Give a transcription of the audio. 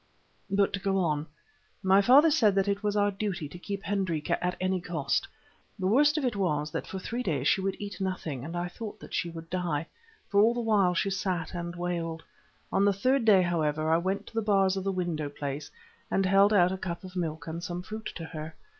"But to go on. My father said that it was our duty to keep Hendrika at any cost. The worst of it was, that for three days she would eat nothing, and I thought that she would die, for all the while she sat and wailed. On the third day, however, I went to the bars of the window place, and held out a cup of milk and some fruit to her.